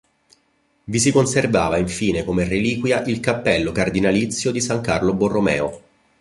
Vi si conservava infine come reliquia il cappello cardinalizio di San Carlo Borromeo.